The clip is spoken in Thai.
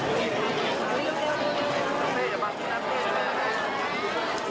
นี่คือประเทศไทย